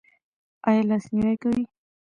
ایا لاس نیوی کوئ؟